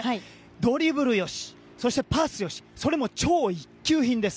ドリブル良し、そしてパス良しそれも超一級品です。